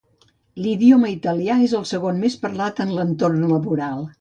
L'idioma italià és el segon més parlat en l'entorn laboral.